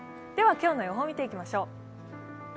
今日の予報を見ていきましょう。